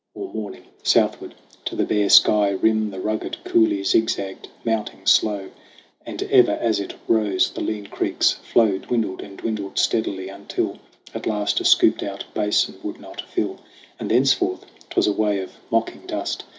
All morning southward to the bare sky rim The rugged coulee zigzagged, mounting slow ; And ever as it 'rose, the lean creek's flow Dwindled and dwindled steadily, until At last a scooped out basin would not fill ; And thenceforth 'twas a way of mocking dust.